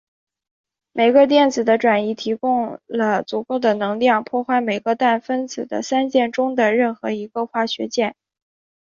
每个电子的转移提供了足够的能量破坏每个氮分子的三键中的任一个化学键。